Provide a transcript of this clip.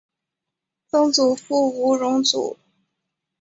曾祖父吴荣祖。